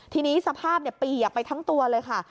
ทีนี้สภาพเปียกไปทั้งตัวเลยค่ะ